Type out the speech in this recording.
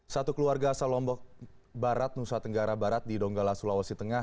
satu keluarga asal lombok barat nusa tenggara barat di donggala sulawesi tengah